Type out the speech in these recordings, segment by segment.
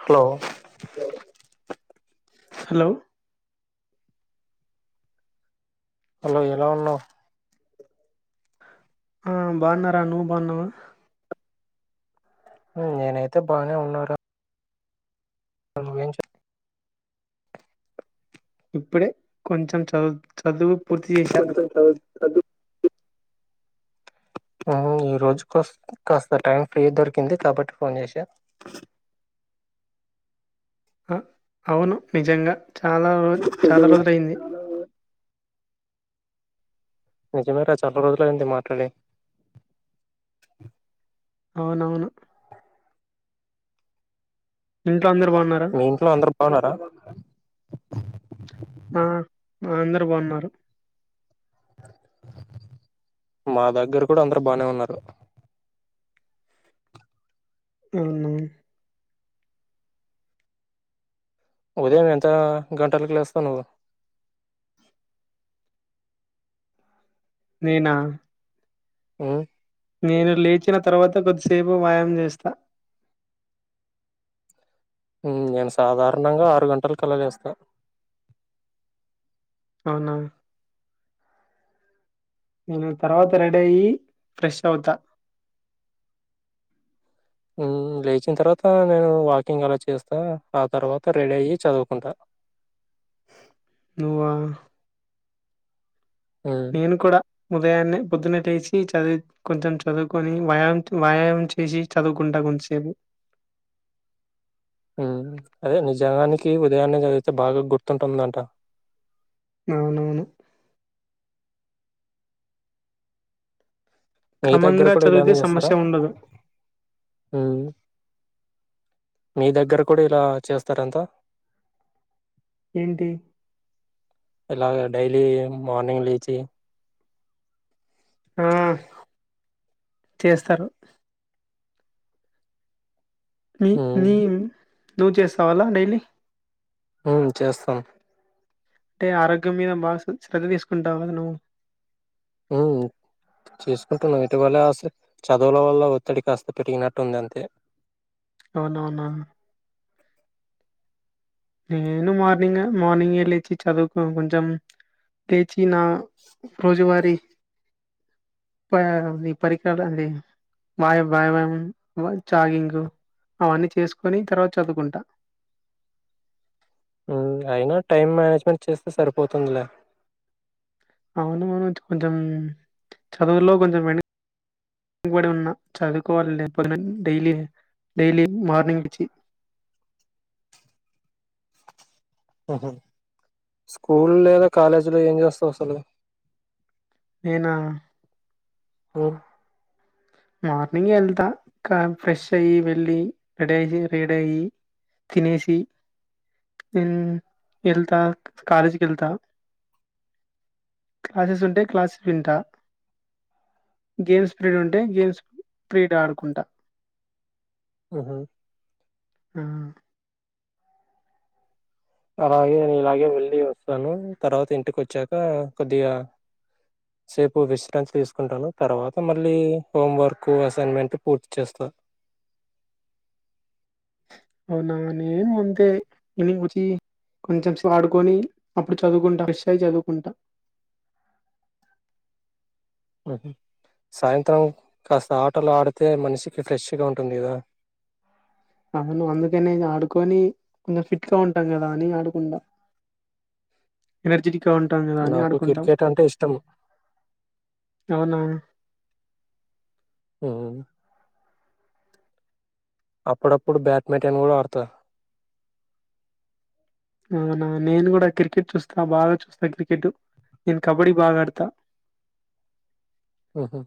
Hello hello hello ఎలా ఉన్నావ్ ఆ బాన్నారా నువ్వు బాఉన్నావా మ్ నేనైతే బానే ఉన్నార ను ఏం చె ఇప్పుడే కొంచెం చవు చదువు పూర్తి చేశా కొంచెం చవు చదువు ఈ రోజు కోస కాస్త టైం ఫ్రీ దొరికింది కాబట్టి ఫోన్ జేసా అ అవును నిజంగా చాలా చాలా నిజంగా రోజులైంది నిజమే ర చాలా రోజులు అయింది మాట్లాడి అవునవును ఇంట్లో అందరు బాగున్నారా మీ ఇంట్లో అందరు బాన్నారా ఆ, ఆ అందరు బాఉన్నారు మా దగ్గర కూడ అందరు బానే ఉన్నారు అవునా ఉదయం ఎంత గంటలకి లేస్తావు నువ్వు నేనా మ్ నేను లేచిన తర్వాత కొద్దిసేపు వ్యాయాం చేస్తా నేను సాధారణంగా ఆరు గంటలకలలేస్తా అవునా ఇంగ్ తర్వాత రెడీ అయి ఫ్రెష్ అవుతా ఉ లేచిన తర్వాత నేను వాకింగ్ అలా చేస్తా ఆ తర్వాత రెడీ అయ్యి చదువుకుంటా నువ్వా ఉమ్ నేను కూడా ఉదయాన్నే పొద్దునెట్టేసి చదువు కొంచెం చదువుకొని వ వ్యాయామం చేసి చదువుకుంటా కొంసేబు ఉ అదే నిజానికి ఉదయాన్న జదిదితే బాగా గుర్తుంటుందంట అవునవును మీ దగ్గర క్రమంగా కూడా చదివితే ఇలానే చేస్తారా సమస్య ఉండదు ఊ మీ దగ్గర కూడా ఇలా చేస్తార అంతా ఏంటి ఇలాగ డైలీ మార్నింగ్ లేచి ఆ చేస్తరు న ఉమ్ నీన్ నువ్వు చేస్ కోవాలా డైలీ అవున్ చేస్తాం అంటే ఆరోగ్యం మీద బాగా శ్రద్ధ తీసుకుంటావు గదా నువ్వు ఉ చేసుకుంటున్నాం అయితే వల వస్తే చదువుల వల్ల ఒత్తిడి కాస్త పెరిగినట్టు ఉంది అంతే అవునవునా నేను మార్నింగ్ మార్నింగే లేచి చదువుకో కొంచెం చ్చినా రోజువారి [unintelligible] అవన్నీ చేసుకొని తర్వాత చదువుకుంటా ఉ అయినా టైం మేనేజ్మెంట్ చేస్తే సరిపోతుందిలే అవును మనోజ్ కొంచెం చదువులో కొంచెం వెన కబడి ఉన్న చదువుకోవాలి లేకపోతే డైలి డైలీ మార్నింగ్ లేచి ఓహో స్కూల్ లేదా కాలేజీలో ఏం జేస్తావ్ అసలు నేనా ఒ మార్నింగే ఎళ్తా కాన్ ఫ్రెష్షయ్యి వెళ్ళి రడి అయ్యి రేడి అయ్యి తినేసి ఊమ్ ఎల్తా కాలేజి కెళ్తా క్లాసెస్ ఉంటే క్లాసెస్ వింటా గేమ్స్ పిరిడ్ ఉం ఉంటే గేమ్స్ క్రీకెట్ ఆడుకుంటా ఒహొ ఆ అలాగే నీలాగే వెళ్ళి వస్తాను తర్వాత ఇంటికొచ్చాక కొద్దిగా సేపు విశ్రాంతి తీసుకుంటాను తర్వాత మళ్ళీ హోం వర్క్ అసైన్మెంట్ పూర్తి చేస్తా అవునా నేన్ మంతే ఈవ్నింగ్ వచ్చి కొంచెం స్లో ఆడుకొని అప్పుడు చదువుకుంటా ఫ్రెష్ అయ్యి జదువుకుంటా అహ సాయంత్రం కాస్త ఆటలు ఆడితే మనిషికి ఫ్రెష్గా ఉంటుంది గదా అవును అందుకనే ఆడుకొని కొంచెం ఫిట్ గా ఉంటాం కదా అని ఆడుకుంంటడా ఎనర్జ ఇంకా ఉంటాంది కదా అని నాకు ఆడుకుంటాం క్రికెట్ అంటే ఇష్టం ఎమన్నా ఆ అప్పుడప్పుడు బ్యాడ్మింటన్ కూడా ఆడతా అవునా నేను కూడా క్రికెట్ చూస్తా బాగా చూస్తా క్రికెట్ నేను కబడి బాగా అడతా ఆఓహా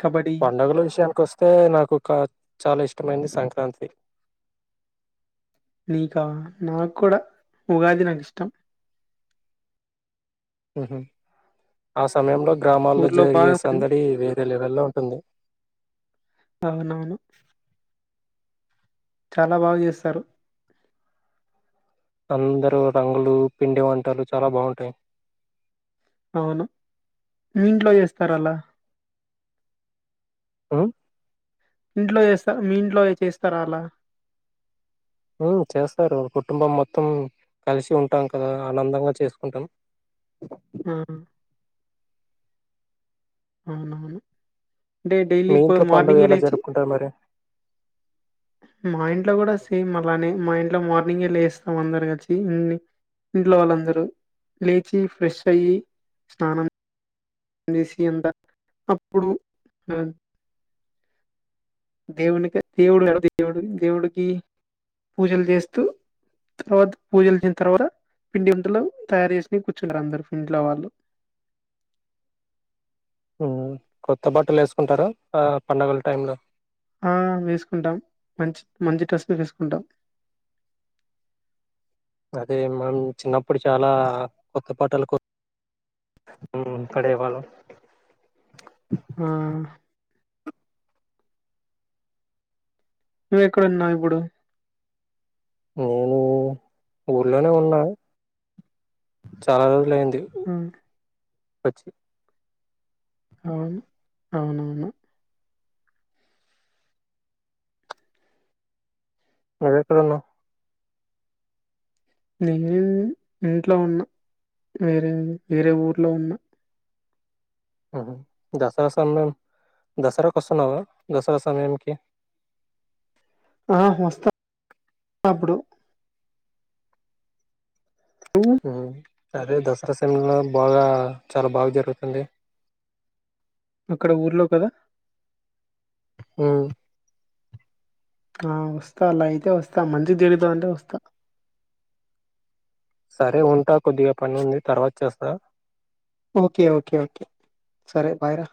కబడ్డీ పడుగల విషయానికి వస్తే నాకు కా చాలా ఇష్టమైనంది సంక్రాంతి నీకా నాకు కూడా ఉగాది నాకు ఇష్టం ఆ సమయంలో గ్రామాల్లో ఊర్లో జరిగే బాగా మన్ సందడి వేరే లెవెల్లో ఉంటుంది అవునవును చాలా బాగా చేస్తారు అందరుూ రంగులు పిండి వంటలు చాలా బాగుంటాయి అవును ఇంట్లో చేస్తార అలా ఆ ఇంట్లో చేస్త మీ ఇంట్లో చేస్తారా అలా చేస్తారు కుటుంబం మొత్తం కలిసి ఉంటాం కదా ఆనందంగా చేసుకుంటాం ఆ అవునవును అంటే ెలీ మీ ఇప్పు ఇంట్లో పండుగ మార్నింగ్ ఎలా లోచ్చి జరుపుకుంటారు మరి? మా ఇంట్లో కూడా సేమ్ అలానే మా ఇంట్లో మార్నింగే లేస్తాం అందరికి వచ్చి ఇన్ని ఇంట్లో వాళ్ళందరూ లేచి ఫ్రెష్ అయ్యి స్నానం సి ఎంత అప్పుడు దేవుని దేవుడు దేవుడు దేవుడికి పూజలు చేస్తూ తర్వాత పూజలుసిన తర్వాత పిండింటలు తయారు చేసిిన కూర్చుంటారు అందరుూ పిండిలో వాళ్ళు కొత్త బట్టలు వేసుకుంటారు ఆ పండగల టై లో ఆ వేసుకుంటాం మంచి మంచి ట్రస్ వేసుకుంటాం అదే మనం చిన్నప్పుడు చాలా కొత్త పాటలు పడే వాళ్ళు ఆ నువ్వ ఎక్కడున్నా ఇప్పుడు నేను ఊర్లోనే ఉన్నా చాలా రోజులయింది ఆ పచ్చి అవును అవునవును నువ్వెక్కడున్నావ్ నేను ఇంట్లో ఉన్నా వేరే వేరే ఊర్లో ఉన్నా దసరా సమయం దసరాకు వస్తున్నావా దసరా సమయంకి ఆ వస్తా అప్పుడు నువ్వు అదే దసరా సమెలో బాగా చాలా బాగా జరుగుతుంది అక్కడ ఊర్లో కదా ఆ ఆ వస్తా అలా అయితే వస్తా మంచి తరుతా అంటే వస్తా సరే ఉంటా కొద్దిగా పని ఉంది తర్వాత చేస్తా ఓకే ఓకే ఓకే సరే బాయ్ రా